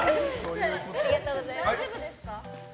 大丈夫ですか？